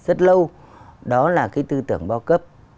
rất lâu đó là cái tư tưởng bao cấp